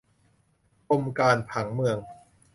กรมการผังเมือง